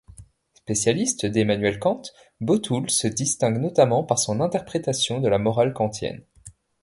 Spécialiste d'Emmanuel Kant, Botul se distingue notamment par son interprétation de la morale kantienne.